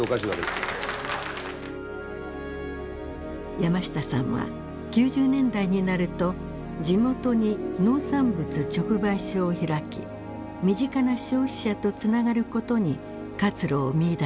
山下さんは９０年代になると地元に農産物直売所を開き身近な消費者とつながることに活路を見いだしていきます。